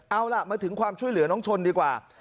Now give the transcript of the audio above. เอาล่ะมาถึงความช่วยเหลือน้องชนดีกว่า